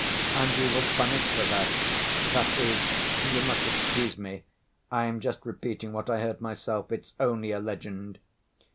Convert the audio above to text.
And he was punished for that ... that is, you must excuse me, I am just repeating what I heard myself, it's only a legend